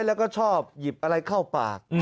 แล้วก็ชอบหยิบอะไรเข้าปาก